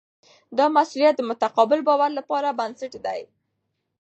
دا مسؤلیت د متقابل باور لپاره بنسټ دی.